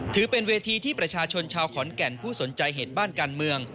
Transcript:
ถือเป็นเวทีที่ประชาชนชาวขอนแก่นผู้สนใจเหตุบ้านการเมือง